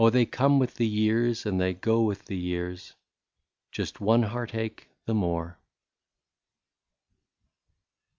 they come with the years, and they go with the years, — Just one heart ache the more